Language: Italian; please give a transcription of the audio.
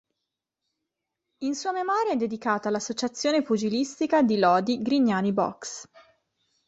In sua memoria è dedicata l'associazione Pugilistica di Lodi "Grignani Boxe".